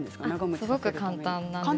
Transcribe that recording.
すごく簡単なんです。